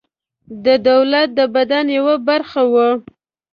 د دولت د بدن یوه برخه وه.